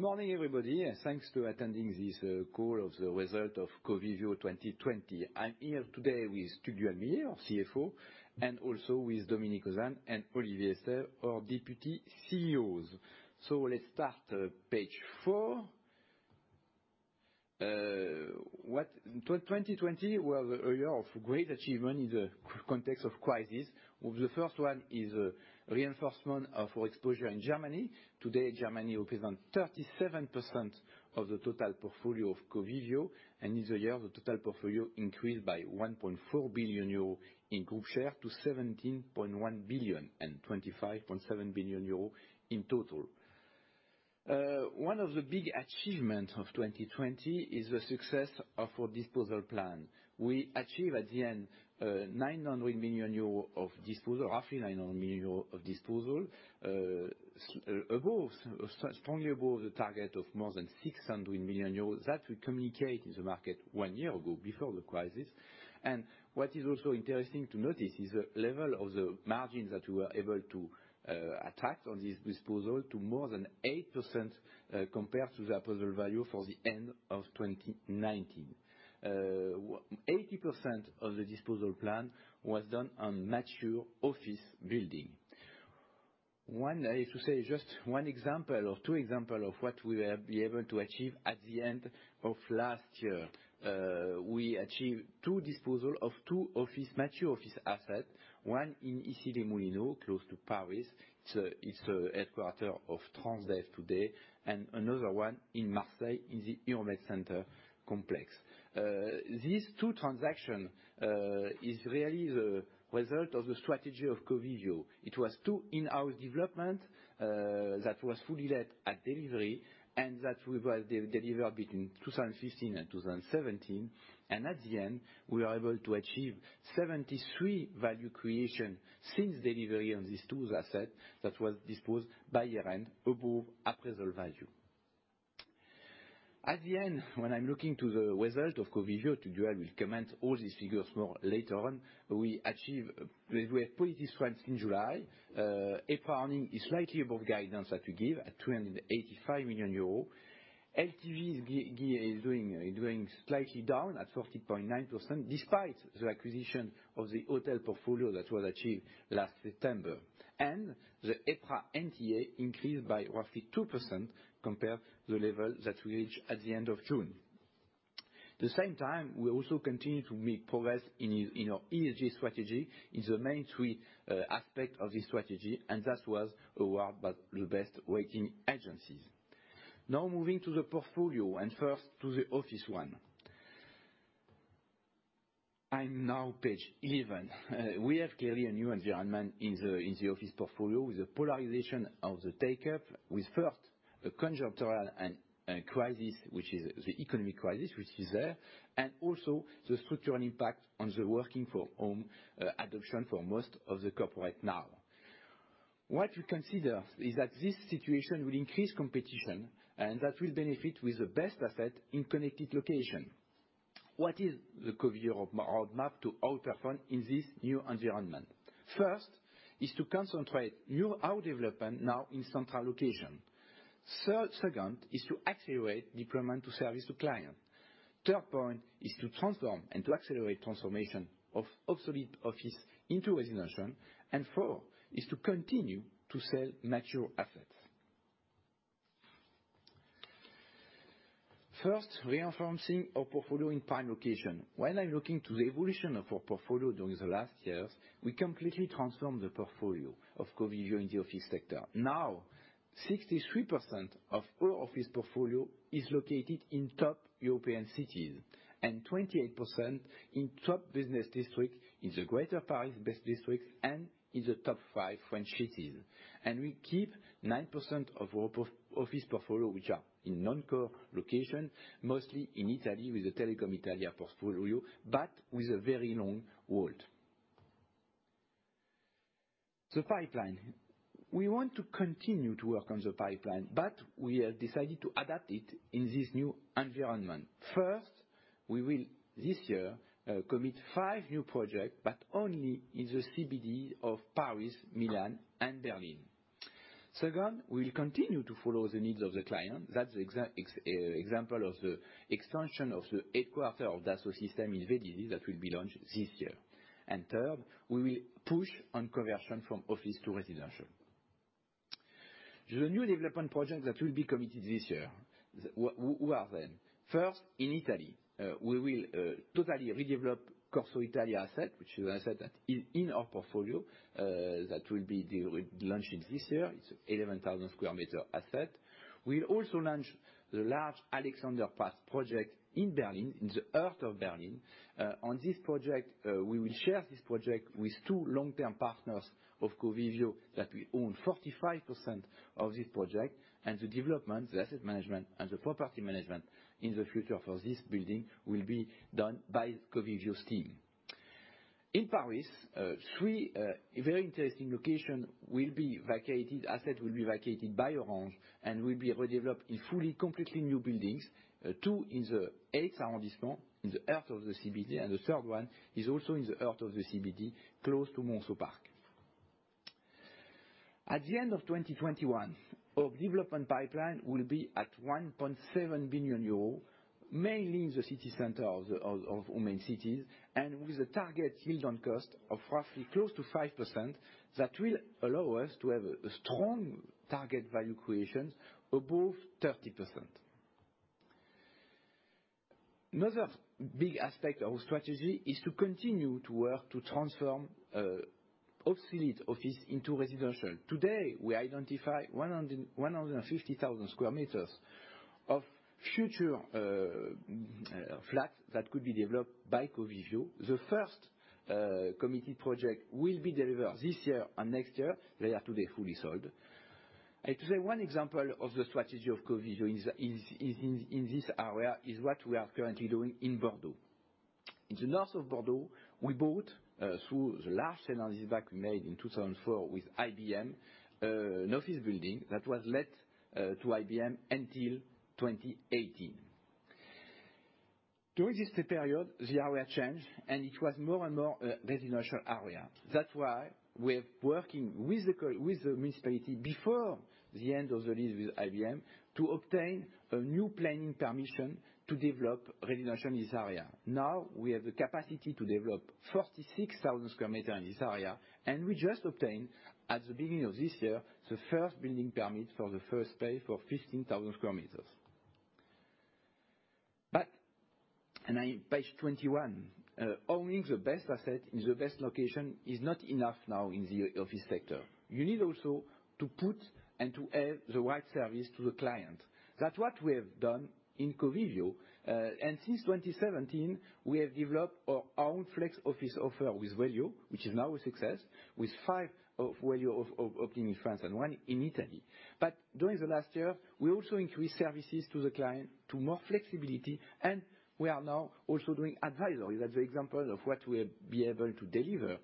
Good morning, everybody. Thanks for attending this call of the result of Covivio 2020. I'm here today with Tugdual Millet, our CFO, and also with Dominique Ozanne and Olivier Estève, our Deputy Chief Executive Officers. Let's start at page four. 2020 was a year of great achievement in the context of crisis. The first one is a reinforcement of our exposure in Germany. Today, Germany represents 37% of the total portfolio of Covivio, and in the year, the total portfolio increased by 1.4 billion euro in group share to 17.1 billion and 25.7 billion euro in total. One of the big achievements of 2020 is the success of our disposal plan. We achieve at the end, roughly 900 million euros of disposal, strongly above the target of more than 600 million euros. That we communicate in the market one year ago, before the crisis. What is also interesting to notice is the level of the margins that we were able to attract on this disposal to more than 8% compared to the appraisal value for the end of 2019. 80% of the disposal plan was done on mature office building. To say just one example or two example of what we have been able to achieve at the end of last year. We achieved two disposal of two mature office asset, one in Issy-les-Moulineaux, close to Paris. It's the headquarter of Transdev today, and another one in Marseille in the Euroméditerranée Center Complex. These two transaction is really the result of the strategy of Covivio. It was two in-house development that was fully let at delivery, and that we will deliver between 2015 and 2017. At the end, we are able to achieve 73% value creation since delivery on these two asset that was disposed by year-end above appraisal value. At the end, when I'm looking to the result of Covivio, Tugdual will comment all these figures more later on. We have published this once in July. EPRA NAV is slightly above guidance that we give at 285 million euros. LTV is doing slightly down at 40.9%, despite the acquisition of the hotel portfolio that was achieved last September. The EPRA NTA increased by roughly 2% compared the level that we reach at the end of June. The same time, we also continue to make progress in our ESG strategy in the main three aspect of this strategy, and that was award by the best rating agencies. Moving to the portfolio, and first to the office one. I'm now page 11. We have clearly a new environment in the office portfolio with the polarization of the take-up with first a conjuncture and crisis, which is the economic crisis, which is there, and also the structural impact on the working from home adoption for most of the corporate now. What we consider is that this situation will increase competition, and that will benefit with the best asset in connected location. What is the Covivio roadmap to outperform in this new environment? First, is to concentrate new our development now in central location. Second, is to accelerate deployment to service to client. Third point is to transform and to accelerate transformation of obsolete office into residential. Four, is to continue to sell mature assets. First, reinforcing our portfolio in prime location. When I'm looking to the evolution of our portfolio during the last years, we completely transformed the portfolio of Covivio in the office sector. Now, 63% of our office portfolio is located in top European cities, and 20% in top business district in the Greater Paris best districts and in the top five French cities. We keep 9% of our office portfolio, which are in non-core location, mostly in Italy with the Telecom Italia portfolio, but with a very long role. The pipeline. We want to continue to work on the pipeline, but we have decided to adapt it in this new environment. First, we will this year commit 5 new projects, but only in the CBD of Paris, Milan, and Berlin. Second, we will continue to follow the needs of the client. That's the example of the extension of the headquarter of Dassault Systèmes in Vélizy that will be launched this year. Third, we will push on conversion from office to residential. The new development project that will be committed this year, who are them? First, in Italy, we will totally redevelop Corso Italia asset, which is an asset that in our portfolio, that will be launched this year. It's 11,000 sq m asset. We'll also launch the large Alexanderplatz project in Berlin, in the heart of Berlin. On this project, we will share this project with two long-term partners of Covivio that we own 45% of this project and the development, the asset management, and the property management in the future for this building will be done by Covivio team. In Paris, three very interesting locations will be vacated, asset will be vacated by Orange and will be redeveloped in fully, completely new buildings. Two in the 8th arrondissement, in the heart of the CBD, and the third one is also in the heart of the CBD close to Monceau Park. At the end of 2021, our development pipeline will be at 1.7 billion euros, mainly in the city center of main cities, and with a target million cost of roughly close to 5%, that will allow us to have a strong target value creation above 30%. Another big aspect of our strategy is to continue to work to transform obsolete office into residential. Today, we identify 150,000 sq m of future flats that could be developed by Covivio. The first committed project will be delivered this year and next year. They are today fully sold. I have to say, one example of the strategy of Covivio in this area is what we are currently doing in Bordeaux. In the north of Bordeaux, we bought, through the sale and leaseback we made in 2004 with IBM, an office building that was let to IBM until 2018. During this period, the area changed, and it was more and more a residential area. That's why we're working with the municipality before the end of the lease with IBM to obtain a new planning permission to develop residential in this area. Now, we have the capacity to develop 46,000 sq m in this area, and we just obtained, at the beginning of this year, the first building permit for the first phase for 15,000 sq m. Back, page 21. Owning the best asset in the best location is not enough now in the office sector. You need also to put and to have the right service to the client. That's what we have done in Covivio. Since 2017, we have developed our own flex office offer with Wellio, which is now a success, with five Wellio opening in France and one in Italy. During the last year, we also increased services to the client to more flexibility, and we are now also doing advisory. That's the example of what we'll be able to deliver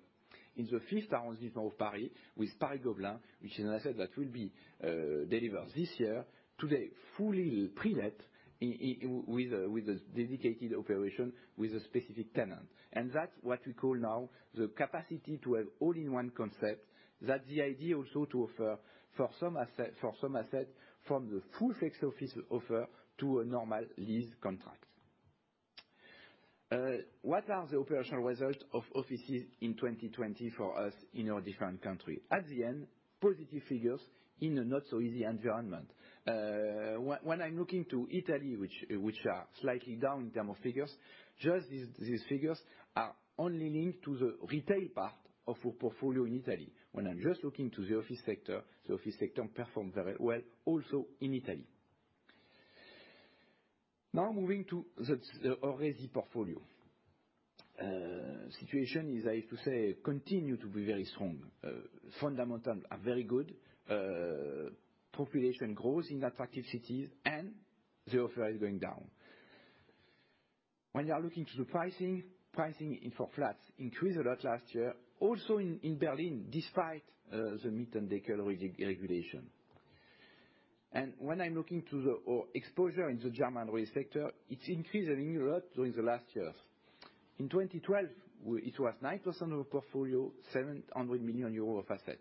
in the fifth arrondissement of Paris with Paris Gobelins, which is an asset that will be delivered this year to the fully pre-let with a dedicated operation with a specific tenant. That's what we call now the capacity to have all-in-one concept. That's the idea also to offer for some asset from the full flex office offer to a normal lease contract. What are the operational results of offices in 2020 for us in our different country? At the end, positive figures in a not so easy environment. When I'm looking to Italy, which are slightly down in term of figures, just these figures are only linked to the retail part of our portfolio in Italy. When I'm just looking to the office sector, the office sector performed very well also in Italy. Now moving to the RESI portfolio. Situation is, I have to say, continue to be very strong. Fundamental are very good. Population growth in attractive cities, and the offer is going down. When you are looking to the pricing for flats increased a lot last year, also in Berlin, despite the Mietendeckel regulation. When I'm looking to the exposure in the German RESI sector, it's increasing a lot during the last years. In 2012, it was 9% of our portfolio, 700 million euros of asset.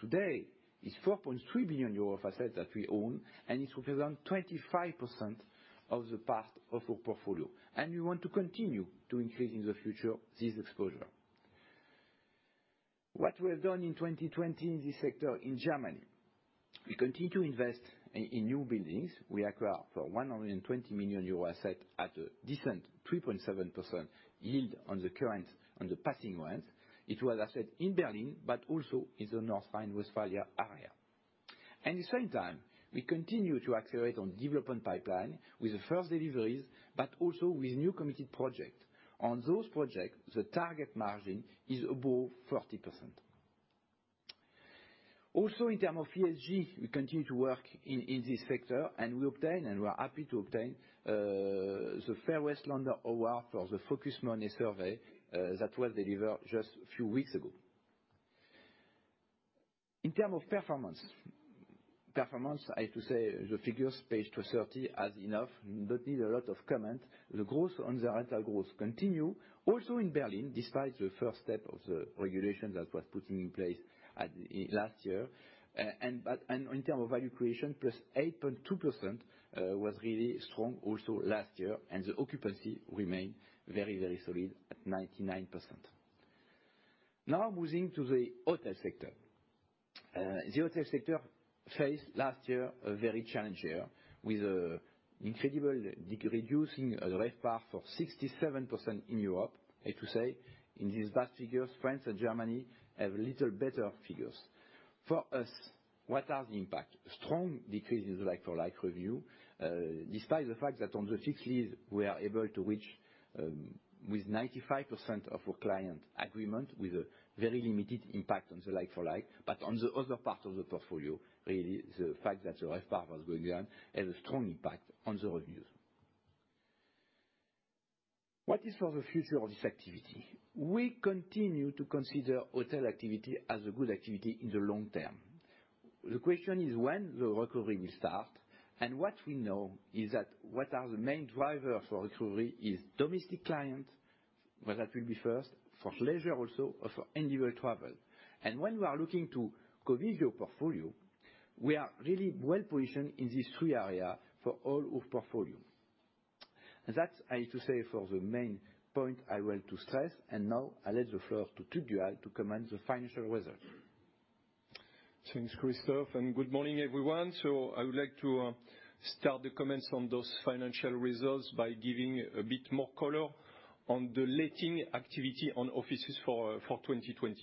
Today, it's 4.3 billion euros of asset that we own, and it represents 25% of the part of our portfolio. We want to continue to increase in the future this exposure. What we have done in 2020 in this sector in Germany, we continue to invest in new buildings. We acquire for 120 million euro asset at a decent 3.7% yield on the passing ones. It was asset in Berlin, but also in the North Rhine-Westphalia area. At the same time, we continue to accelerate on development pipeline with the first deliveries, but also with new committed project. On those projects, the target margin is above 40%. Also, in term of ESG, we continue to work in this sector, and we obtain, and we are happy to obtain, the Fairest Landlord Award for the Focus Money Survey that was delivered just a few weeks ago. In term of performance, I have to say the figures, page 230 has enough, don't need a lot of comment. The growth on the rental growth continue also in Berlin, despite the first step of the regulation that was put in place last year. In term of value creation, +8.2% was really strong also last year, and the occupancy remained very solid at 99%. Now moving to the hotel sector. The hotel sector faced last year a very challenged year with a incredible reducing RevPAR for 67% in Europe. I have to say, in these bad figures, France and Germany have little better figures. For us, what are the impact? Strong decreases like-for-like review, despite the fact that on the fixed lease, we are able to reach with 95% of our client agreement with a very limited impact on the like-for-like. On the other part of the portfolio, really, the fact that the RevPAR was going down had a strong impact on the reviews. What is for the future of this activity? We continue to consider hotel activity as a good activity in the long term. The question is when the recovery will start. What we know is that what are the main driver for recovery is domestic client, where that will be first, for leisure also, or for individual travel. When we are looking to Covivio portfolio, we are really well-positioned in these three area for all of portfolio. That I to say for the main point I want to stress. Now I let the floor to Tugdual to comment the financial result. Thanks, Christophe, and good morning everyone. I would like to start the comments on those financial results by giving a bit more color on the letting activity on offices for 2020.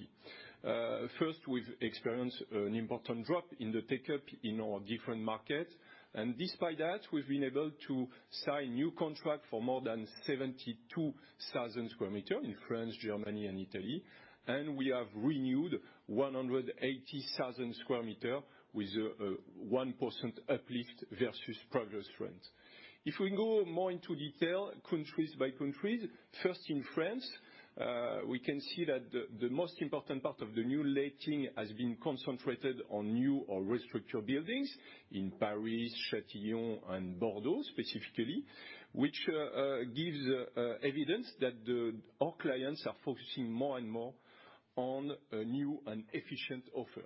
First, we've experienced an important drop in the take-up in our different markets. Despite that, we've been able to sign new contract for more than 72,000 sq m in France, Germany, and Italy. We have renewed 180,000 sq m with a 1% uplift versus prior rent. If we go more into detail, countries by countries, first in France, we can see that the most important part of the new letting has been concentrated on new or restructured buildings in Paris, Châtillon, and Bordeaux specifically, which gives evidence that our clients are focusing more and more on a new and efficient offer.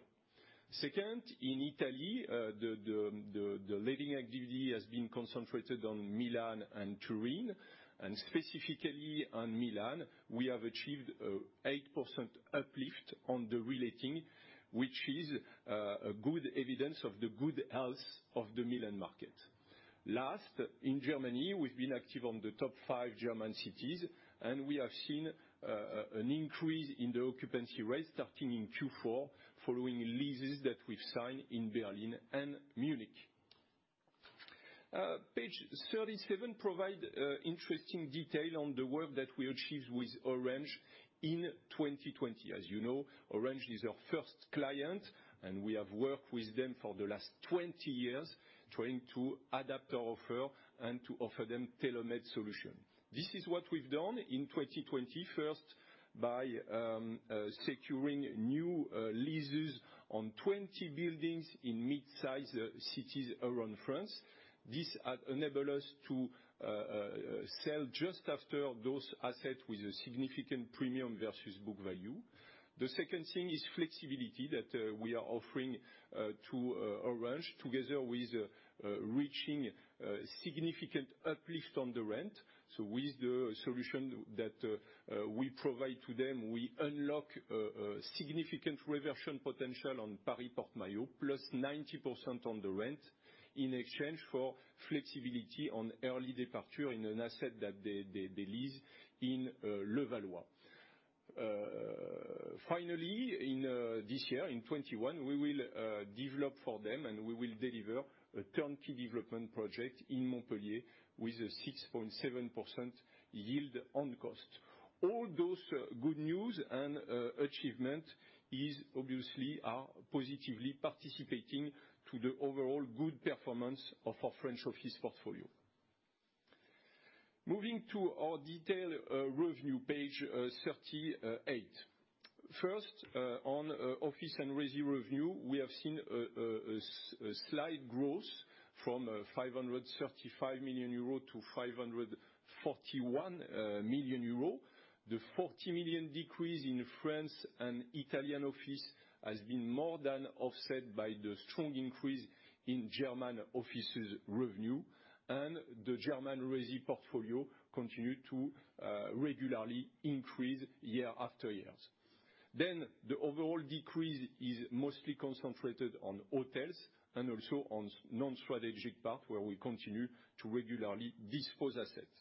Second, in Italy, the letting activity has been concentrated on Milan and Turin, and specifically on Milan, we have achieved 8% uplift on the reletting, which is a good evidence of the good health of the Milan market. Last, in Germany, we've been active on the top 5 German cities. We have seen an increase in the occupancy rate starting in Q4, following leases that we've signed in Berlin and Munich. Page 37 provide interesting detail on the work that we achieved with Orange in 2020. As you know, Orange is our first client. We have worked with them for the last 20 years trying to adapt our offer and to offer them tailor-made solution. This is what we've done in 2020, first by securing new leases on 20 buildings in mid-size cities around France. This enables us to sell just after those assets with a significant premium versus book value. The second thing is flexibility that we are offering to Orange together with reaching significant uplift on the rent. With the solution that we provide to them, we unlock significant reversion potential on Paris Porte Maillot, +90% on the rent in exchange for flexibility on early departure in an asset that they lease in Levallois. Finally, in this year, in 2021, we will develop for them, and we will deliver a turnkey development project in Montpellier with a 6.7% yield on cost. All those good news and achievement obviously are positively participating to the overall good performance of our French office portfolio. Moving to our detailed revenue, page 38. First, on office and RESI revenue, we have seen a slight growth from 535 million euro to 541 million euro. The 40 million decrease in France and Italian office has been more than offset by the strong increase in German offices revenue, and the German RESI portfolio continued to regularly increase year after year. The overall decrease is mostly concentrated on hotels and also on non-strategic part where we continue to regularly dispose assets.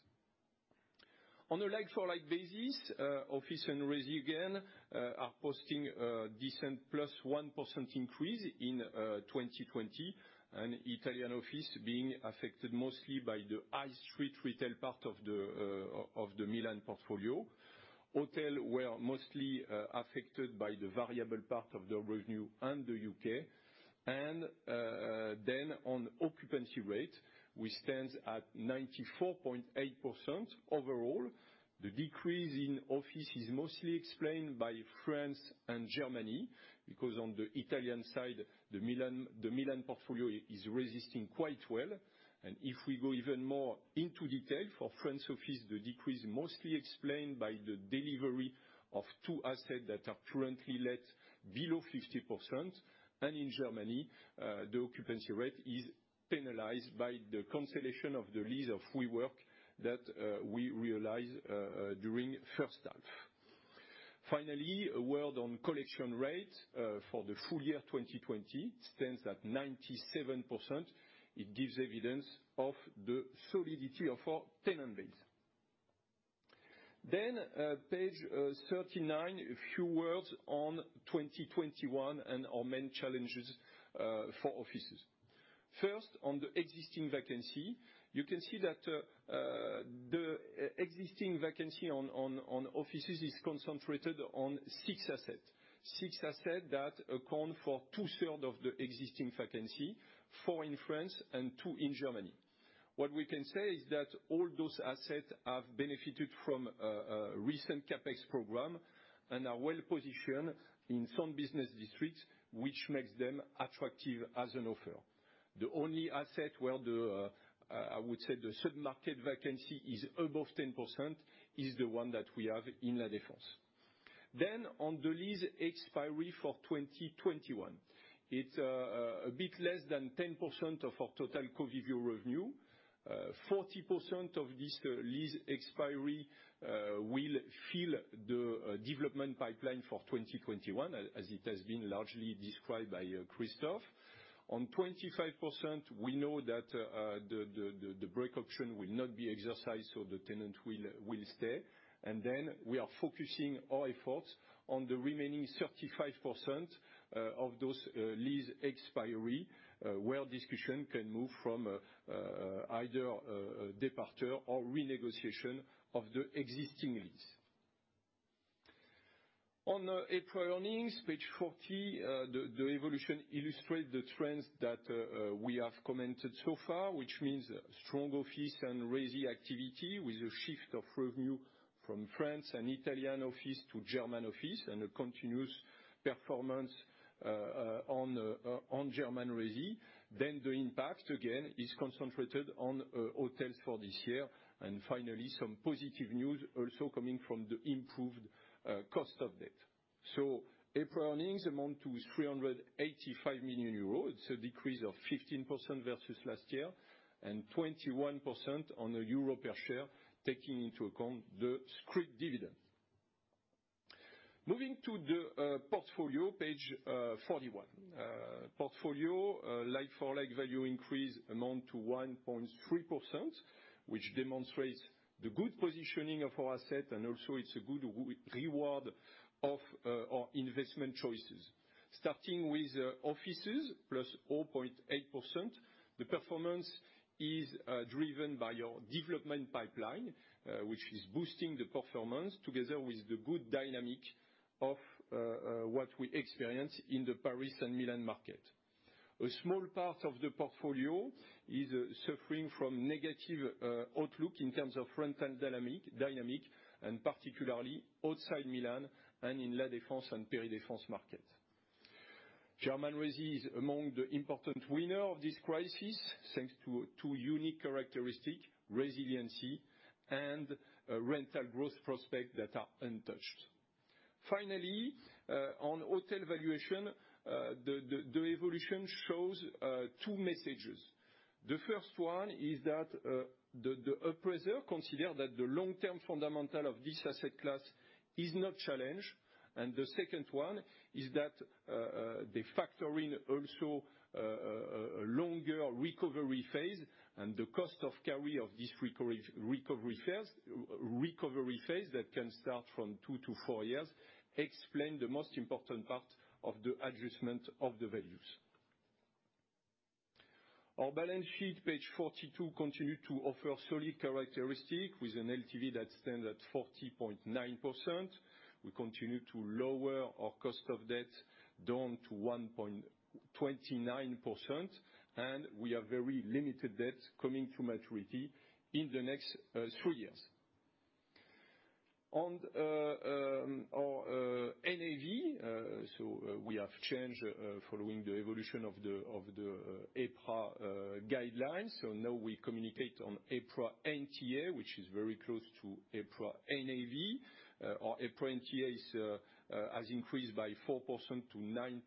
On a like-for-like basis, office and RESI again are posting a decent +1% increase in 2020, and Italian office being affected mostly by the high street retail part of the Milan portfolio. Hotel were mostly affected by the variable part of the revenue and the U.K. On occupancy rate, which stands at 94.8% overall, the decrease in office is mostly explained by France and Germany, because on the Italian side, the Milan portfolio is resisting quite well. If we go even more into detail, for France office, the decrease mostly explained by the delivery of two assets that are currently let below 50%. In Germany, the occupancy rate is penalized by the cancellation of the lease of WeWork that we realize during first half. Finally, a word on collection rate for the full year 2020 stands at 97%. It gives evidence of the solidity of our tenant base. Page 39, a few words on 2021 and our main challenges for offices. First, on the existing vacancy, you can see that the existing vacancy on offices is concentrated on six assets. Six assets that account for two-thirds of the existing vacancy, four in France and two in Germany. What we can say is that all those assets have benefited from a recent CapEx program and are well-positioned in some business districts, which makes them attractive as an offer. The only asset where, I would say, the sub-market vacancy is above 10%, is the one that we have in La Défense. On the lease expiry for 2021. It's a bit less than 10% of our total Covivio revenue. 40% of this lease expiry will fill the development pipeline for 2021, as it has been largely described by Christophe. On 25%, we know that the break option will not be exercised, so the tenant will stay. We are focusing our efforts on the remaining 35% of those lease expiry, where discussion can move from either a departure or renegotiation of the existing lease. On EPRA earnings, page 40, the evolution illustrates the trends that we have commented so far, which means strong office and RESI activity with a shift of revenue from France and Italian office to German office and a continuous performance on German RESI. The impact, again, is concentrated on hotels for this year. Finally, some positive news also coming from the improved cost of debt. EPRA earnings amount to 385 million euros. It is a decrease of 15% versus last year and 21% on a EUR per share, taking into account the scrip dividend. Moving to the portfolio, page 41. Portfolio like-for-like value increase amount to 1.3%, which demonstrates the good positioning of our asset and also it is a good reward of our investment choices. Starting with offices, +0.8%, the performance is driven by our development pipeline, which is boosting the performance together with the good dynamic of what we experience in the Paris and Milan market. A small part of the portfolio is suffering from negative outlook in terms of rental dynamic, and particularly outside Milan and in La Défense and La Défense market. German RESI is among the important winner of this crisis, thanks to two unique characteristic, resiliency and rental growth prospect that are untouched. On hotel valuation, the evolution shows two messages. The first one is that the appraiser consider that the long-term fundamental of this asset class is not challenged. The second one is that they factor in also a longer recovery phase and the cost of carry of this recovery phase that can start from 2 to 4 years, explain the most important part of the adjustment of the values. Our balance sheet, page 42, continue to offer solid characteristic with an LTV that stands at 40.9%. We continue to lower our cost of debt down to 1.29%, and we have very limited debt coming to maturity in the next three years. On our NAV, we have changed following the evolution of the EPRA guidelines. Now we communicate on EPRA NTA, which is very close to EPRA NAV. Our EPRA NTA has increased by 4% to 9.5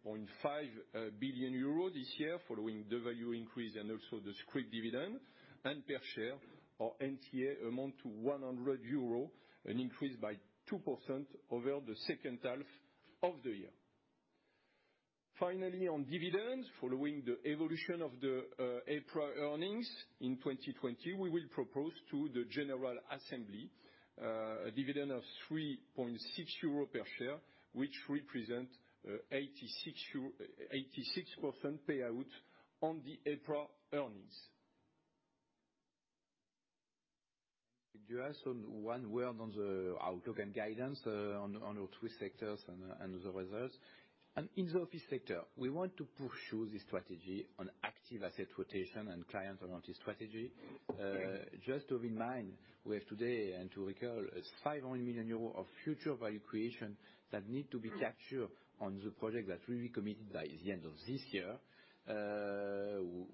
billion euro this year, following the value increase and also the scrip dividend. Per share, our NTA amount to 100 euro, an increase by 2% over the second half of the year. On dividends, following the evolution of the EPRA earnings in 2020, we will propose to the general assembly a dividend of 3.6 euro per share, which represent 86% payout on the EPRA earnings. Just one word on the outlook and guidance on our three sectors and the results. In the office sector, we want to pursue the strategy on active asset rotation and client-oriented strategy. Just to remind, we have today, and to recall, is 500 million euros of future value creation that need to be captured on the project that will be committed by the end of this year.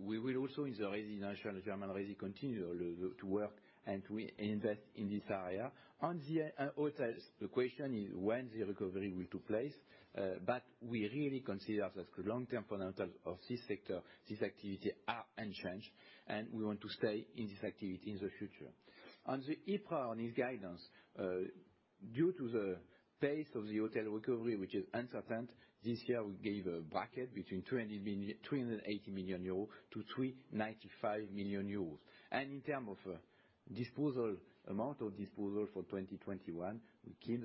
We will also, in the RESI national, German RESI, continue to work and to invest in this area. On the hotels, the question is when the recovery will take place. We really consider that the long-term fundamentals of this sector, this activity are unchanged, and we want to stay in this activity in the future. On the EPRA on this guidance, due to the pace of the hotel recovery, which is uncertain, this year we gave a bracket between 380 million-395 million euros. In term of amount of disposal for 2021, we keep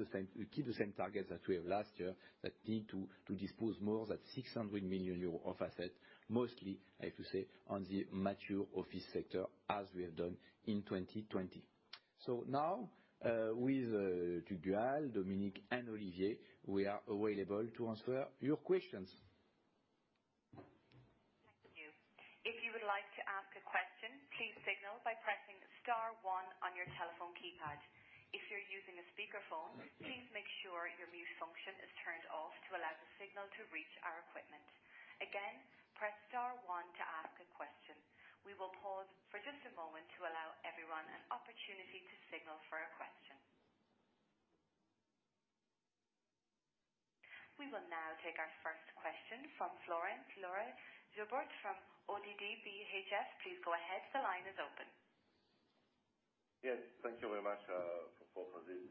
the same target that we have last year, that need to dispose more than 600 million euros of asset, mostly, I have to say, on the mature office sector as we have done in 2020. Now, with Tugdual, Dominique, and Olivier, we are available to answer your questions. Thank you. If you would like to ask a question, please signal by pressing star one on your telephone keypad. If you are using a speakerphone, please make sure your mute function is turned off to allow the signal to reach our equipment. Again, press star one to ask a question. We will pause for just a moment to allow everyone an opportunity to signal for a question. We will now take our first question from Florent Laroche-Joubert from ODDO BHF. Please go ahead. The line is open. Yes. Thank you very much for this presentation,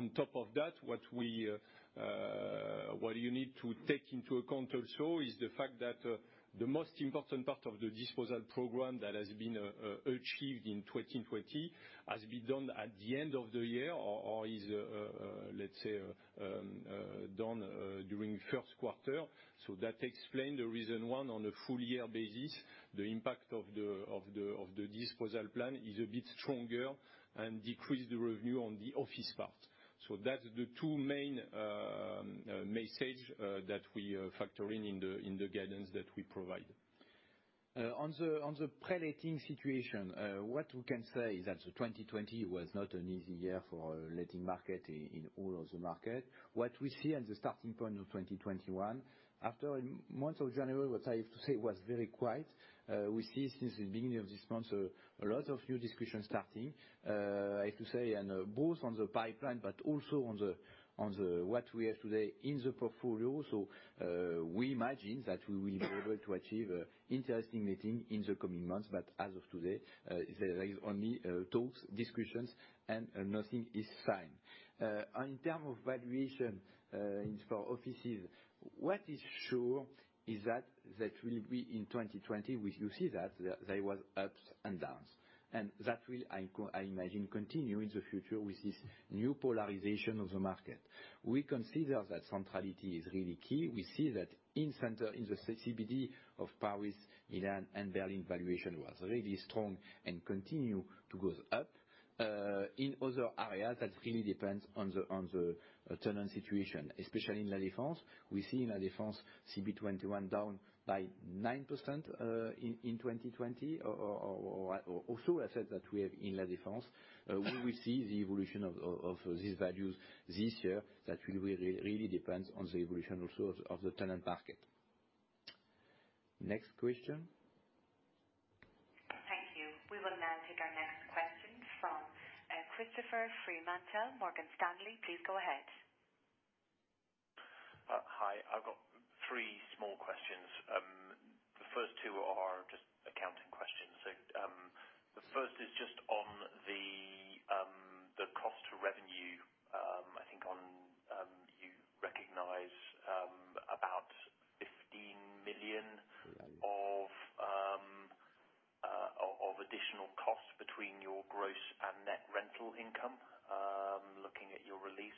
On top of that, what you need to take into account also is the fact that the most important part of the disposal program that has been achieved in 2020 has been done at the end of the year or is, let's say, done during first quarter. That explain the reason one, on a full year basis, the impact of the disposal plan is a bit stronger and decrease the revenue on the office part. That's the two main message that we factor in the guidance that we provide. On the pre-letting situation, what we can say is that 2020 was not an easy year for letting market in all of the market. What we see at the starting point of 2021, after month of January, what I have to say, it was very quiet. We see since the beginning of this month, a lot of new discussions starting, I have to say, both on the pipeline, but also on what we have today in the portfolio. We imagine that we will be able to achieve interesting letting in the coming months, but as of today, there is only talks, discussions, nothing is signed. In term of valuation for offices, what is sure is that we, in 2020, you see that there was ups and downs, that will, I imagine, continue in the future with this new polarization of the market. We consider that centrality is really key. We see that in center, in the CBD of Paris, Milan and Berlin, valuation was really strong and continue to go up. In other areas, that really depends on the tenant situation, especially in La Défense. We see in La Défense, CB21 down by 9% in 2020. Also, assets that we have in La Défense, we will see the evolution of these values this year that will really depends on the evolution also of the tenant market. Next question. Thank you. We will now take our next question from Christopher Fremantle, Morgan Stanley. Please go ahead. Hi. I've got three small questions. The first two are just accounting questions. The first is just on the cost to revenue. I think you recognize about EUR 15 million of additional cost between your gross and net rental income, looking at your release.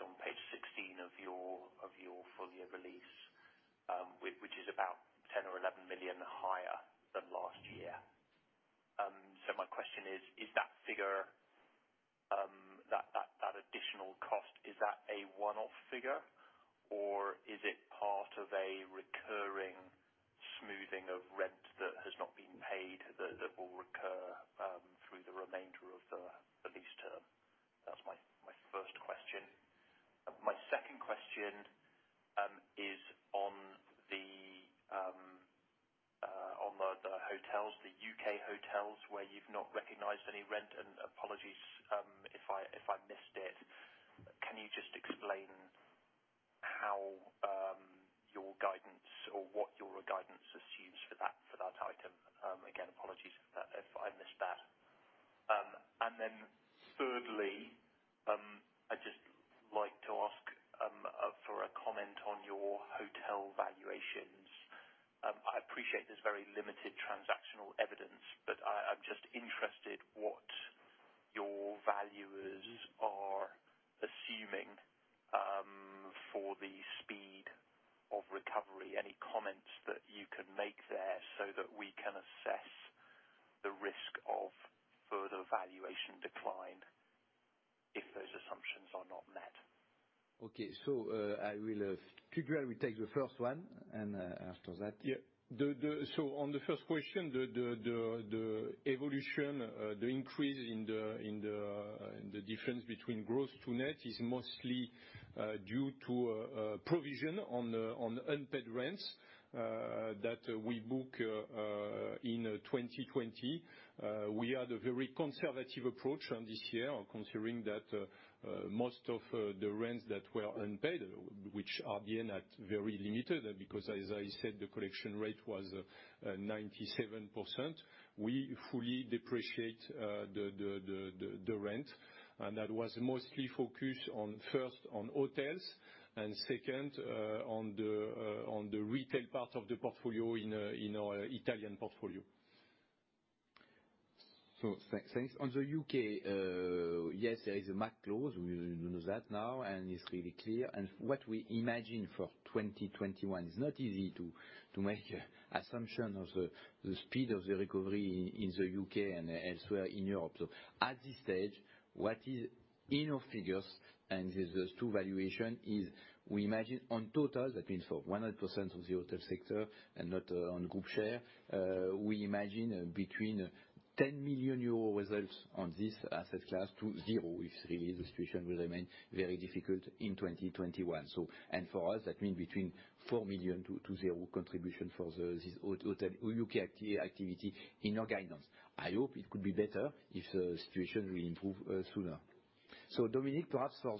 On page 16 of your full year release, which is about 10 million or 11 million higher than last year. My question is that figure, that additional cost, is that a one-off figure or is it part of a recurring that we book in 2020. We had a very conservative approach on this year, considering that most of the rents that were unpaid, which are then at very limited, because as I said, the collection rate was 97%. We fully depreciate the rent, and that was mostly focused first on hotels and second on the retail part of the portfolio in our Italian portfolio. Thanks. On the U.K., yes, there is a MAC clause. We know that now, and it is really clear. What we imagine for 2021, it is not easy to make assumption of the speed of the recovery in the U.K. and elsewhere in Europe. At this stage, what is in our figures, and with those two valuation, is we imagine on total, that means for 100% of the hotel sector and not on group share, we imagine between 10 million euro results on this asset class to zero, if really the situation will remain very difficult in 2021. For us, that means between 4 million to zero contribution for this hotel U.K. activity in our guidance. I hope it could be better if the situation will improve sooner. Dominique, perhaps for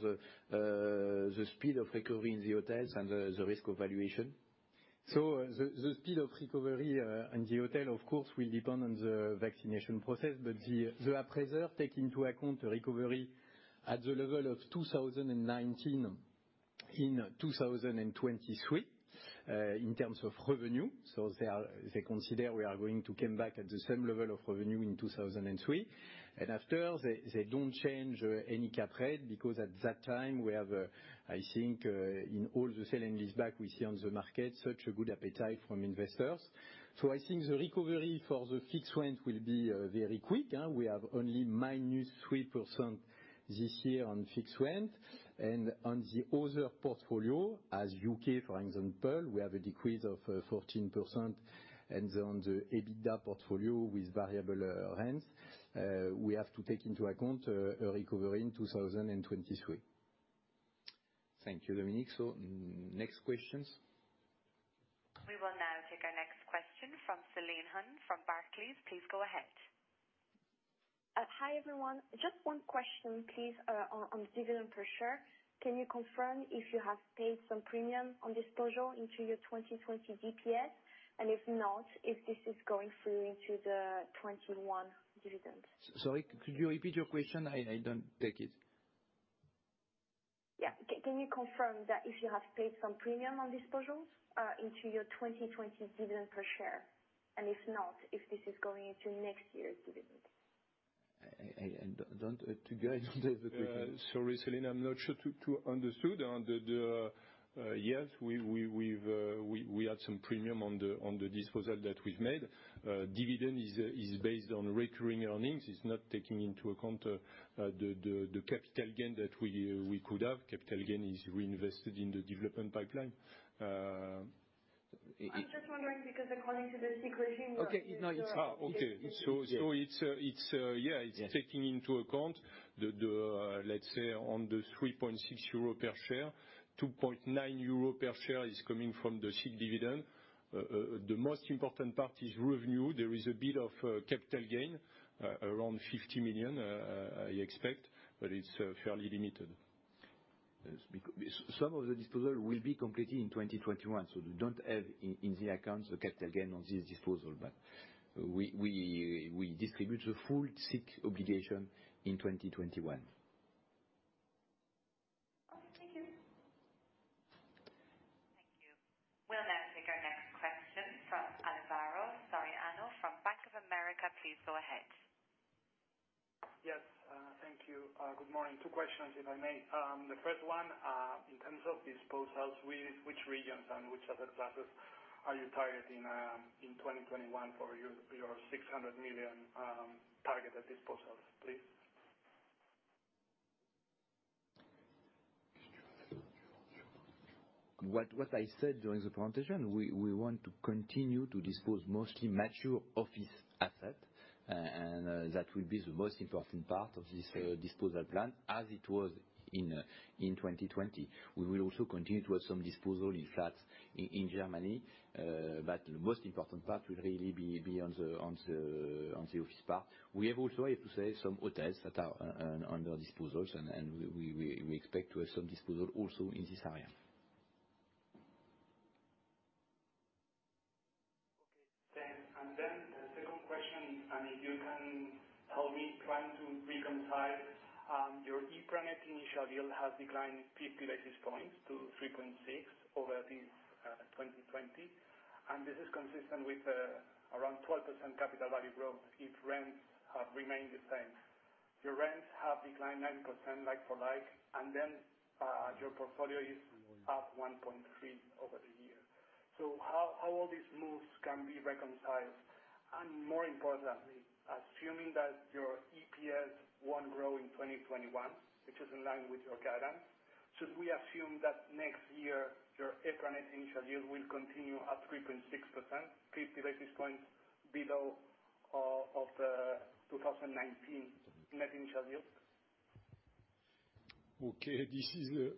the speed of recovery in the hotels and the risk of valuation. The speed of recovery in the hotel, of course, will depend on the vaccination process. The appraiser take into account the recovery at the level of 2019 in 2023, in terms of revenue. They consider we are going to come back at the same level of revenue in 2003. After, they do not change any cap rate, because at that time we have, I think, in all the sale and leaseback we see on the market, such a good appetite from investors. I think the recovery for the fixed rent will be very quick. We have only minus 3% this year on fixed rent. On the other portfolio, as U.K., for example, we have a decrease of 14%, and on the EBITDA portfolio with variable rents, we have to take into account a recovery in 2023. Thank you, Dominique. Next questions. We will now take our next question from Céline Huynh from Barclays. Please go ahead. Hi, everyone. Just one question, please, on dividend per share. Can you confirm if you have paid some premium on disposal into your 2020 DPS? If not, if this is going through into the 2021 dividend. Sorry, could you repeat your question? I don't take it. Yeah. Can you confirm that if you have paid some premium on disposals into your 2020 dividend per share, and if not, if this is going into next year's dividend. I don't, to go into. [inaudible] Sorry, Céline, I'm not sure to understood. Yes, we had some premium on the disposal that we've made. Dividend is based on recurring earnings. It's not taking into account the capital gain that we could have. Capital gain is reinvested in the development pipeline. I'm just wondering, according to this description- Okay. It's taking into account, let's say on the 3.6 euro per share, 2.9 euro per share is coming from the SIIC dividend. The most important part is revenue. There is a bit of capital gain, around 50 million, I expect, but it's fairly limited. Some of the disposal will be completed in 2021, we don't have in the accounts the capital gain on this disposal. We distribute the full SIIC obligation in 2021. Okay, thank you. Thank you. We'll now take our next question from Alvaro Soriano from Bank of America. Please go ahead. Yes. Thank you. Good morning. Two questions, if I may. The first one, in terms of disposals, which regions and which other classes are you targeting in 2021 for your 600 million target of disposals, please? What I said during the presentation, we want to continue to dispose mostly mature office asset. That will be the most important part of this disposal plan, as it was in 2020. We will also continue to have some disposal in flats in Germany. The most important part will really be on the office part. We have also, I have to say, some hotels that are under disposals. We expect to have some disposal also in this area. The second question is, if you can help me try to reconcile, your EPRA net initial yield has declined 50 basis points to 3.6% over this 2020. This is consistent with around 12% capital value growth if rents have remained the same. Your rents have declined 9% like-for-like. Your portfolio is up 1.3% over the year. How all these moves can be reconciled? More importantly, assuming that your EPS won't grow in 2021, which is in line with your guidance, should we assume that next year your EPRA net initial yield will continue at 3.6%, 50 basis points below of the 2019 net initial yield? Okay. This is a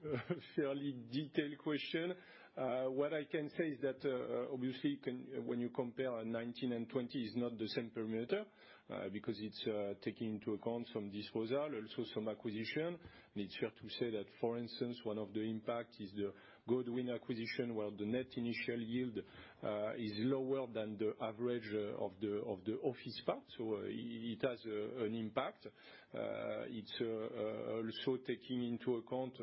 fairly detailed question. What I can say is that, obviously, when you compare 2019 and 2020, it's not the same parameter, because it's taking into account some disposal, also some acquisition. It's fair to say that, for instance, one of the impact is the Godewind acquisition, where the net initial yield is lower than the average of the office part. It has an impact. It's also taking into account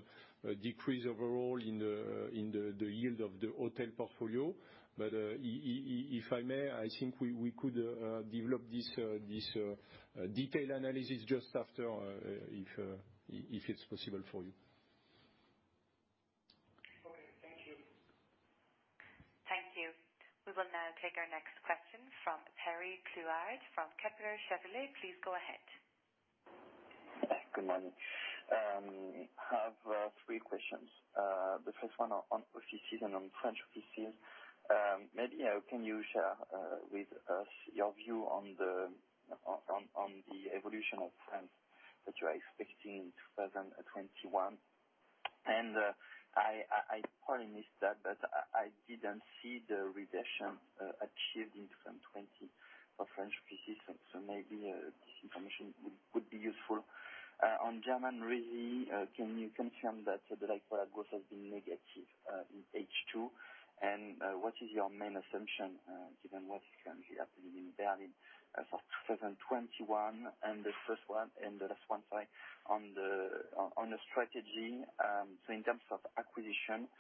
a decrease overall in the yield of the hotel portfolio. If I may, I think we could develop this detailed analysis just after, if it's possible for you. Okay. Thank you. Thank you. We will now take our next question from Pierre Clouard from Kepler Cheuvreux. Please go ahead. Good morning. I have three questions. The first one on offices and on French offices. Maybe can you share with us your view on the evolution of France that you are expecting in 2021? I probably missed that, but I didn't see the reversion achieved in 2020 for French offices, maybe this information would be useful. On German resi, can you confirm that the like-for-like growth has been negative in H2? What is your main assumption, given what is currently happening in Berlin as of 2021? The last one, sorry. On the strategy, in terms of acquisition,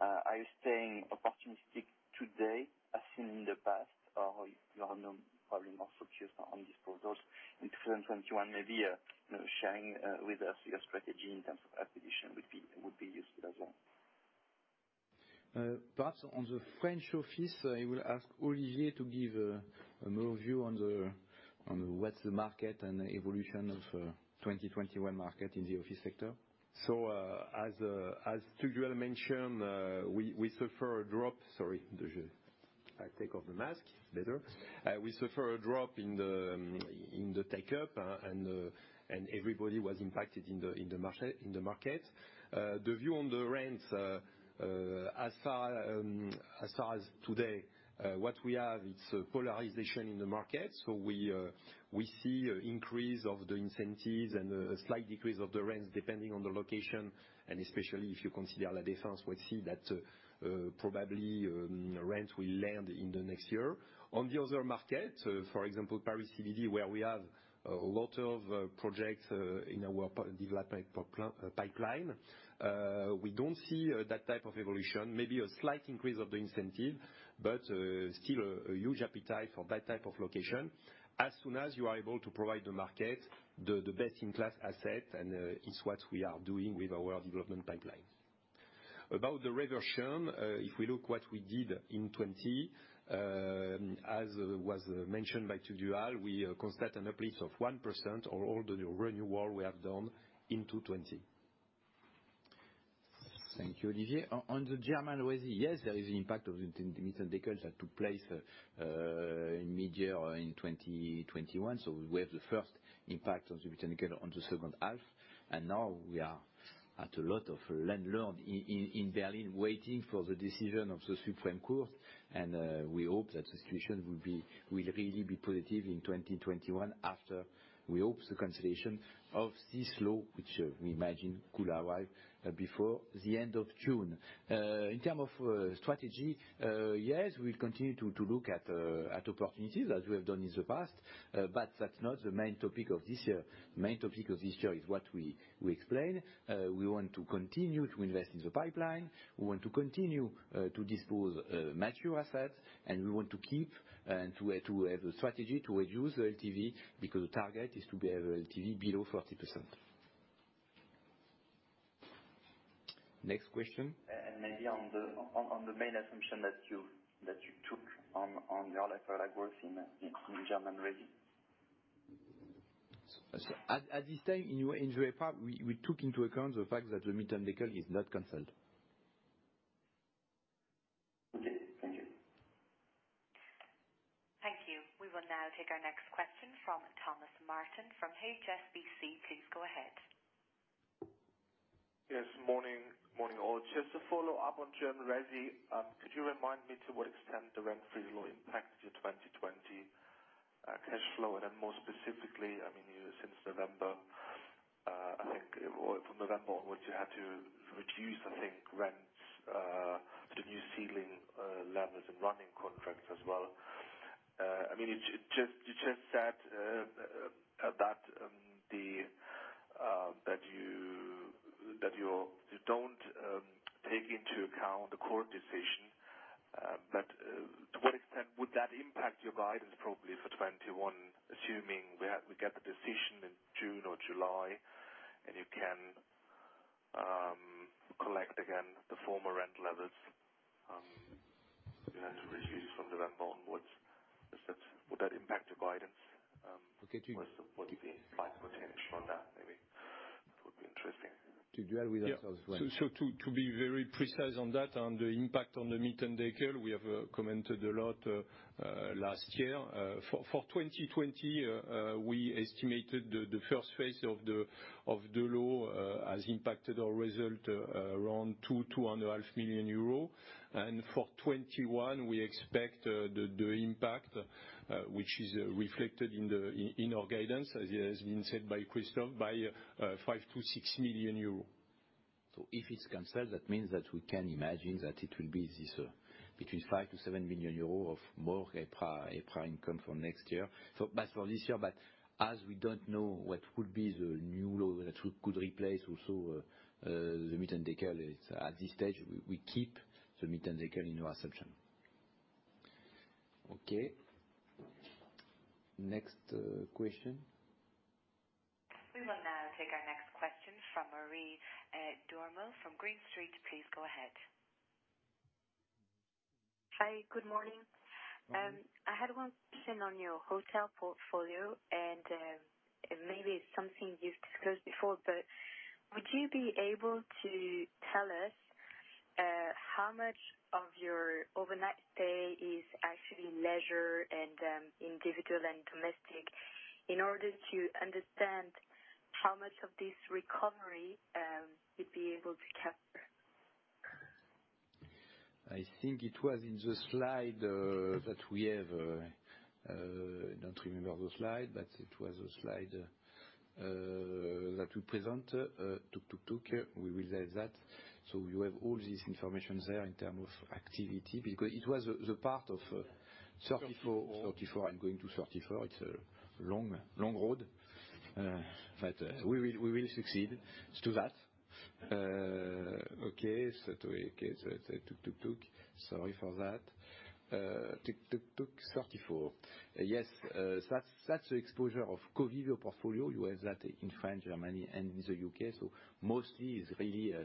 are you staying opportunistic today, as in the past, or you are now probably more focused on disposals in 2021? Maybe sharing with us your strategy in terms of acquisition would be useful as well. Perhaps on the French office, I will ask Olivier to give a more view on what's the market and evolution of 2021 market in the office sector. As Tugdual mentioned, we suffer a drop. Sorry. I take off the mask, better. We suffer a drop in the take-up, everybody was impacted in the market. The view on the rents, as far as today, what we have, it's a polarization in the market. We see increase of the incentives a slight decrease of the rents depending on the location, especially if you consider La Défense, we see that probably rent will land in the next year. On the other market, for example, Paris CBD, where we have a lot of projects in our development pipeline, we don't see that type of evolution. Maybe a slight increase of the incentive, still a huge appetite for that type of location. As soon as you are able to provide the market the best-in-class asset, it's what we are doing with our development pipeline. About the reversion, if we look what we did in 2020, as was mentioned by Tugdual, we consider an uplift of 1% on all the renewal we have done in 2020. Thank you, Olivier. On the German RESI, yes, there is an impact of the Mietendeckel that took place in mid-year in 2021. We have the first impact of the Mietendeckel on the second half, now we are at a lot of landlord in Berlin, waiting for the decision of the Supreme Court, we hope that the solution will really be positive in 2021 after, we hope, the consideration of this law, which we imagine could arrive before the end of June. In terms of strategy, yes, we'll continue to look at opportunities as we have done in the past. That's not the main topic of this year. Main topic of this year is what we explained. We want to continue to invest in the pipeline, we want to continue to dispose mature assets, and we want to keep and to have the strategy to reduce the LTV, because the target is to have LTV below 40%. Next question. Maybe on the main assumption that you took on your like-for-like growth in German RESI. At this time, in the German RESI, we took into account the fact that the Mietendeckel is not canceled. Okay. Thank you. Thank you. We will now take our next question from Thomas Martin from HSBC. Please go ahead. Yes. Morning all. Just to follow up on German RESI, could you remind me to what extent the rent freeze law impacted your 2020- cash flow, more specifically, since November, I think from November onwards, you had to reduce, I think, rents to the new ceiling levels and running contracts as well. You just said that you don't take into account the court decision, to what extent would that impact your guidance, probably for 2021, assuming we get the decision in June or July and you can collect again the former rent levels, you had to reduce from November onwards. Would that impact your guidance? Okay. What would be the potential on that, maybe? That would be interesting. Tugdual with that as well. To be very precise on that, on the impact on the Mietendeckel, we have commented a lot, last year. For 2020, we estimated the first phase of the law has impacted our result around 2 million-2.5 million euro. For 2021, we expect the impact, which is reflected in our guidance, as has been said by Christophe, by 5 million-6 million euros. If it's canceled, that means that we can imagine that it will be this, between 5 million-7 million euros of more EPRA income for next year. For this year, as we don't know what will be the new law that could replace also, the Mietendeckel, at this stage, we keep the Mietendeckel in our assumption. Okay. Next question. We will now take our next question from Marie Dormeuil from Green Street. Please go ahead. Hi. Good morning. Morning. I had one question on your hotel portfolio, and maybe it's something you've discussed before, but would you be able to tell us how much of your overnight stay is actually leisure and individual and domestic in order to understand how much of this recovery you'd be able to capture? I think it was in the slide that we have. I don't remember the slide, but it was a slide that we present. We will have that. You have all this information there in terms of activity, because it was the part of 34. 34. 34 and going to 34. It's a long road. We will succeed to that. Okay, sorry for that. 34. Yes, that's the exposure of Covivio portfolio. You have that in France, Germany, and in the U.K., so mostly it's really a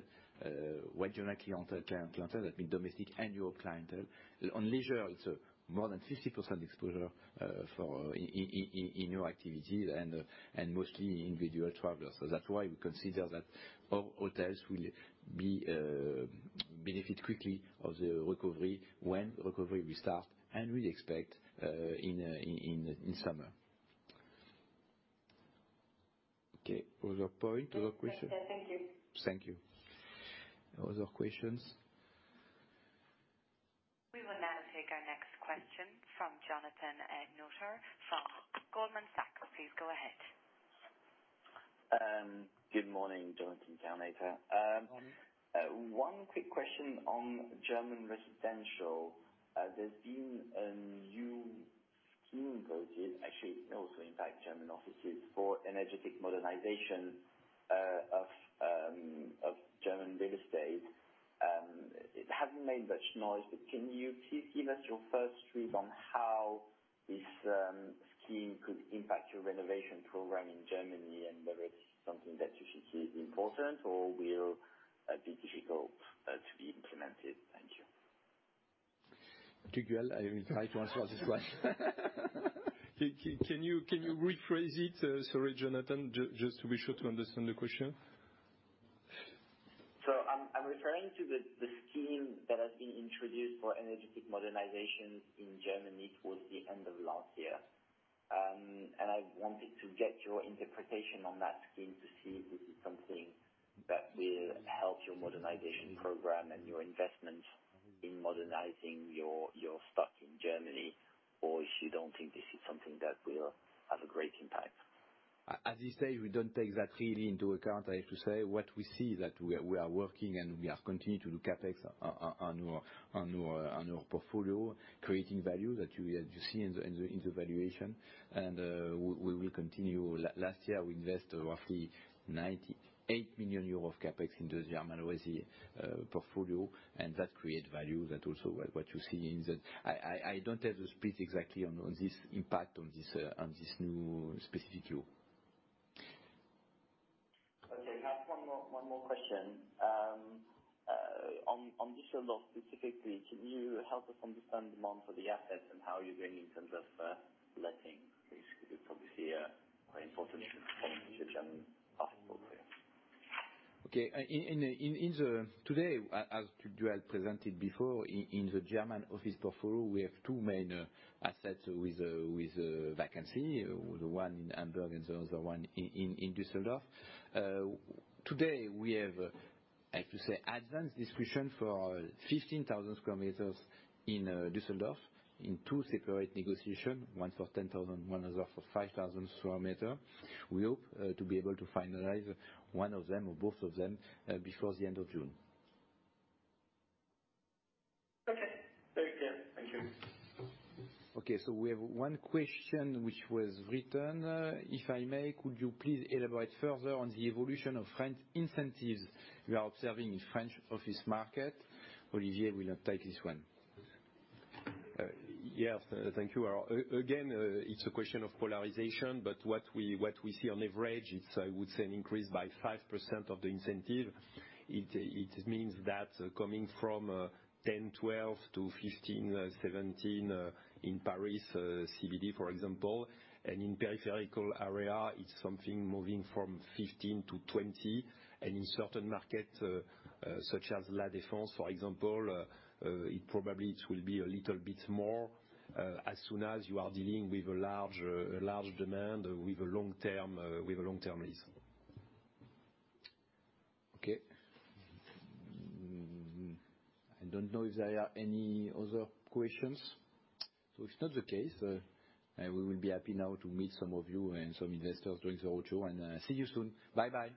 regional clientele, that means domestic and your clientele. On leisure, it's more than 50% exposure in your activity and mostly individual travelers. That's why we consider that our hotels will benefit quickly of the recovery when recovery will start, and we'd expect in summer. Okay, other point, other question? Thank you. Thank you. Other questions? We will now take our next question from Jonathan Kownator from Goldman Sachs. Please go ahead. Good morning. Jonathan Kownator. Morning. One quick question on German residential. There's been a new scheme voted, actually, it can also impact German offices, for energetic modernization of German real estate. It hasn't made much noise, can you please give us your first read on how this scheme could impact your renovation program in Germany and whether it's something that you should see as important or will be difficult to be implemented? Thank you. Tugdual, I will try to answer this one. Can you rephrase it? Sorry, Jonathan, just to be sure to understand the question. I'm referring to the scheme that has been introduced for energetic modernization in Germany towards the end of last year. I wanted to get your interpretation on that scheme to see if this is something that will help your modernization program and your investment in modernizing your stock in Germany, or if you don't think this is something that will have a great impact. As you say, we don't take that really into account, I have to say. What we see that we are working, we are continuing to do CapEx on our portfolio, creating value that you see in the valuation. We will continue. Last year, we invest roughly 98 million euros of CapEx in the German RESI portfolio, and that create value, that also what you see in the I don't have the split exactly on this impact on this new specific deal. Okay. Last one more question. On Düsseldorf specifically, can you help us understand demand for the assets and how you're going in terms of letting? This is obviously a very important point for the German office portfolio. Okay. Today, as Tugdual presented before, in the German office portfolio, we have two main assets with vacancy, the one in Hamburg and the other one in Düsseldorf. Today, we have, I have to say, advanced discussion for 15,000 sq m in Düsseldorf in two separate negotiation, one for 10,000, one is for 5,000 sq m. We hope to be able to finalize one of them or both of them before the end of June. Okay. Very clear. Thank you. Okay, we have one question which was written. If I may, could you please elaborate further on the evolution of rent incentives you are observing in French office market? Olivier will take this one. Yes. Thank you. Again, it's a question of polarization, what we see on average, it's I would say, an increase by 5% of the incentive. It means that coming from 10% to 12% to 15% to 17% in Paris, CBD, for example, and in peripheral area, it's something moving from 15% to 20%. In certain markets, such as La Défense, for example, probably it will be a little bit more, as soon as you are dealing with a large demand with a long-term lease. Okay. I don't know if there are any other questions. If that's the case, we will be happy now to meet some of you and some investors during the roadshow, and see you soon. Bye-bye.